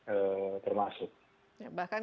eh termasuk bahkan